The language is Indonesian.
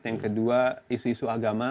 yang kedua isu isu agama